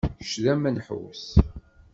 Kečč, d amenḥus.